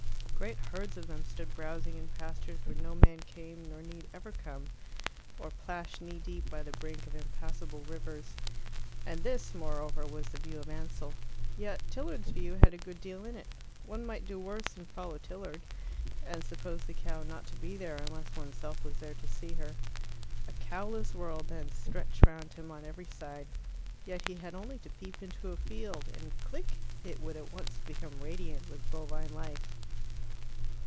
Great herds of them stood browsing in pastures where no man came nor need ever come, or plashed knee deep by the brink of impassable rivers. And this, moreover, was the view of Ansell. Yet Tilliard's view had a good deal in it. One might do worse than follow Tilliard, and suppose the cow not to be there unless oneself was there to see her. A cowless world, then, stretched round him on every side. Yet he had only to peep into a field, and, click! it would at once become radiant with bovine life.